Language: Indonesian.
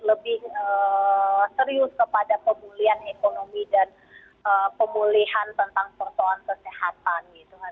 lebih serius kepada pemulihan ekonomi dan pemulihan tentang persoalan kesehatan